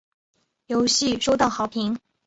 游戏收到好评。